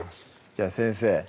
じゃあ先生